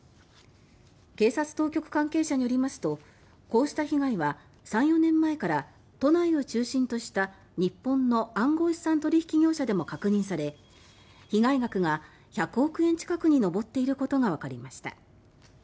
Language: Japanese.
警察当局関係者によりますとこうした被害は３４年前から都内を中心とした日本の暗号資産取引業者でも確認され被害額が１００億円近くに上っていることがわかりました。